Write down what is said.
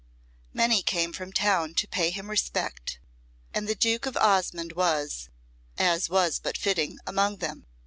Many came from town to pay him respect, and the Duke of Osmonde was, as was but fitting, among them.